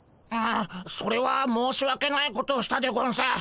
ああそれは申しわけないことをしたでゴンス。